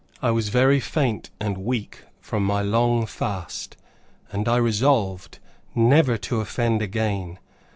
I was very faint and weak from my long fast, and I resolved never to offend again.